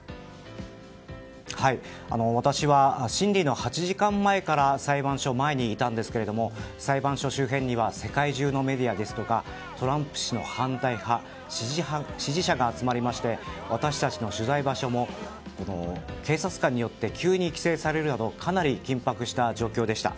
私は審理の８時間前から裁判所前にいたんですが裁判所周辺には世界中のメディアですとかトランプ氏の反対派や支持者が集まりまして私たちの取材場所も警察官によって急に規制されるなどかなり緊迫した状況でした。